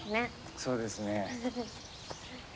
そうですね。